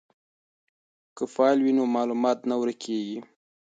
که فایل وي نو معلومات نه ورکیږي.